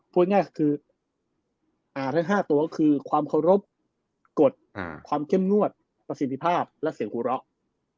พูดง่ายคือทั้ง๕ตัวก็คือความเคารพกฎความเข้มงวดประสิทธิภาพและเสียงหัวเราะ